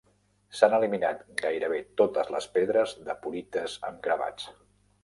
S'han eliminat gairebé totes les pedres de porites amb gravats.